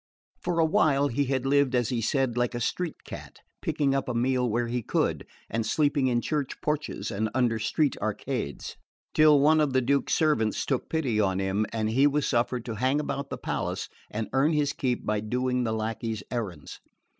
For a while he had lived, as he said, like a street cat, picking up a meal where he could, and sleeping in church porches and under street arcades, till one of the Duke's servants took pity on him and he was suffered to hang about the palace and earn his keep by doing the lacquey's errands.